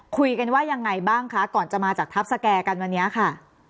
คุยกันว่ายังไงบ้างคะก่อนจะมาจากทัพสแก่กันวันนี้ค่ะ